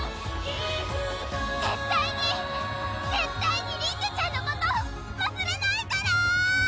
絶対に絶対にりんねちゃんのこと忘れないから！